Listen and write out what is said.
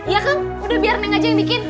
iya kan udah biar neng aja yang bikin